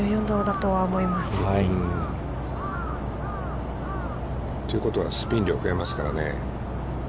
ということは、スピン量が増えますからね。